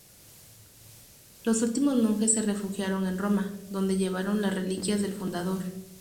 Los últimos monjes se refugiaron en Roma, donde llevaron las reliquias del fundador.